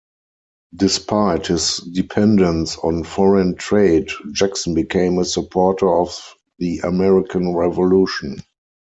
Despite his dependence on foreign trade, Jackson became a supporter of the American Revolution.